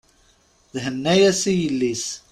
Thenna-yas i yelli-s.